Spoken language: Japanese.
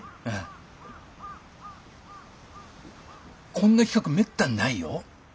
こんな企画めったにないよ？